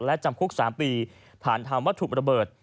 และจำคุก๓ปีผ่านทำวัตถุระเบิด